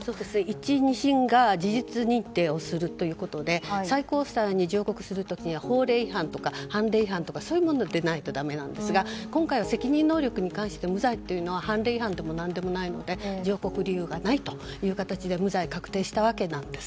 １審、２審が事実認定をするということで最高裁に上告する時には法令違反とか判例違反とかそういうものでないとだめなんですが今回は責任能力に関して無罪というのは判例違反でも何でもないので上告理由がないという形で無罪が確定したわけです。